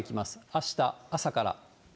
あした朝から。